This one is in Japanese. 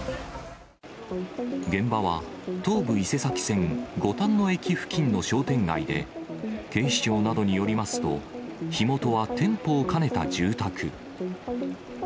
現場は東武伊勢崎線五反野駅付近の商店街で、警視庁などによりますと、火元は店舗を兼ねた住宅。